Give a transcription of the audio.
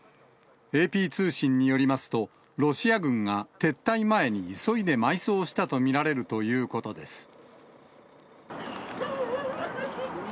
ＡＰ通信によりますと、ロシア軍が撤退前に急いで埋葬したと見られるということです。